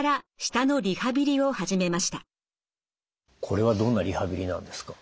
これはどんなリハビリなんですか？